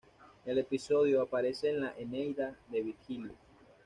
El episodio aparece en la "Eneida", de Virgilio.